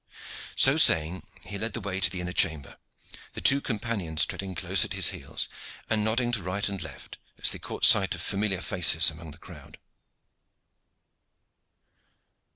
So saying, he led the way to the inner chamber, the two companions treading close at his heels, and nodding to right and left as they caught sight of familiar faces among the crowd.